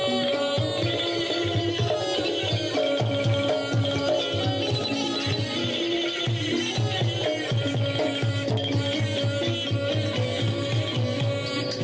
สวัสดีท่านสาธิชนทุกท่านนะคะ